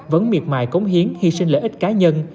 vẫn miệt mài cống hiến hy sinh lợi ích cá nhân